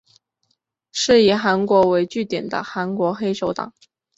是以韩国为据点的韩国黑手党。